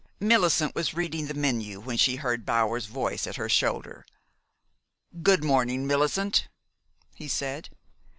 Millicent was reading the menu when she heard Bower's voice at her shoulder. "Good morning, Millicent," he said.